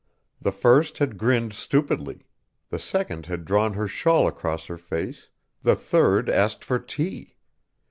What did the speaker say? The first had grinned stupidly; the second had drawn her shawl across her face, the third asked for tea!